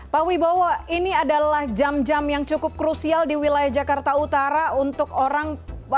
pak wibowo ini adalah jam jam yang cukup krusial di wilayah jakarta utara untuk orang